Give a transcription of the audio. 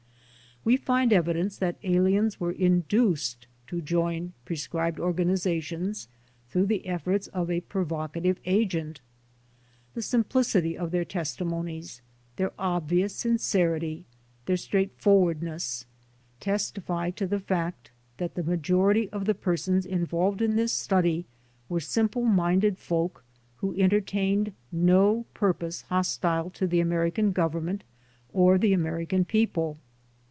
We find evidence that aliens were induced to join proscribed organizations through the efforts of a provocative agent. The simplicity of their testimonies, their obvious sin cerity, their straightforwardness, testify to the fact that the majority of the persons involved in this study were simple minded folk who entertained no purpose hostile to the American Government or the American people.